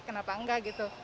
kenapa enggak gitu